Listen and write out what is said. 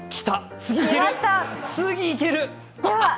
次いける。